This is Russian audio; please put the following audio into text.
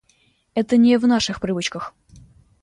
Это не в наших привычках.